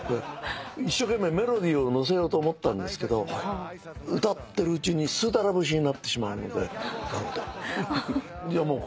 一生懸命メロディーをのせようと思ったんですけど歌ってるうちに『スーダラ節』になってしまうのでじゃあ